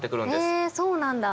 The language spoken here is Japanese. へえそうなんだ。